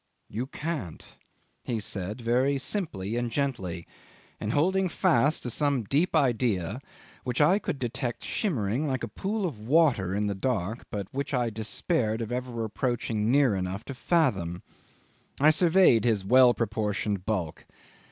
"You can't," he said very simply and gently, and holding fast to some deep idea which I could detect shimmering like a pool of water in the dark, but which I despaired of ever approaching near enough to fathom. I surveyed his well proportioned bulk.